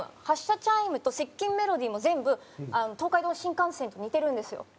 発車チャイムと接近メロディーも全部東海道新幹線と似てるんですよ。